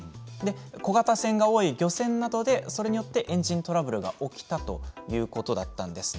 小型船が多い漁船などでエンジントラブルが起きたということだったんです。